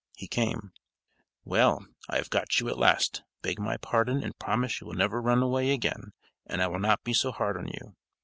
He came; 'Well, I have got you at last, beg my pardon and promise you will never run away again and I will not be so hard on you.'